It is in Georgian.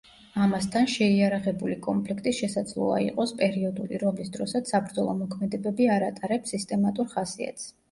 ამასთან, შეიარაღებული კონფლიქტი შესაძლოა იყოს პერიოდული, რომლის დროსაც საბრძოლო მოქმედებები არ ატარებს სისტემატურ ხასიათს.